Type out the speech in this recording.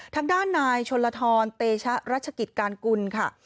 ทางด้านนายชนลทรเตชะรัชกิจการกุลค่ะ